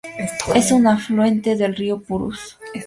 Es un afluente del río Purús.